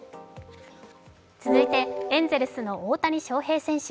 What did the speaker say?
続いてエンゼルスの大谷翔平選手。